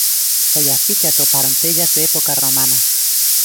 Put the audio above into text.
Foi así que atoparon tellas de época romana.